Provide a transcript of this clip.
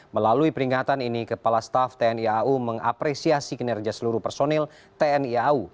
melalui peringatan ini kepala staff tni au mengapresiasi kinerja seluruh personil tni au